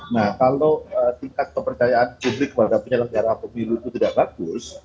nah kalau tingkat kepercayaan publik kepada penyelenggara pemilu itu tidak bagus